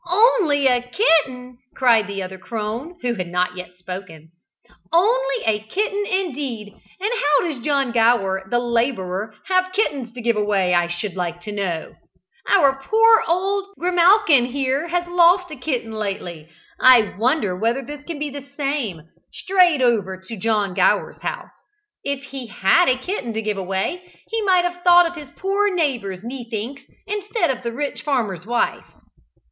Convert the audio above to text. "Only a kitten!" cried the other crone, who had not yet spoken; "only a kitten, indeed! and how does John Gower the labourer have kittens to give away, I should like to know? Our poor old Grimalkin here has lost a kitten lately I wonder whether this can be the same, strayed over to John Gower's house. If he had a kitten to give away, he might have thought of his poor neighbours, methinks, instead of the rich farmer's wife!"